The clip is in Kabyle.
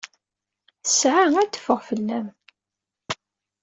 Ttesɛa ad teffeɣ fell-am.